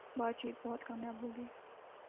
باتچیت بہت کامیاب ہو گی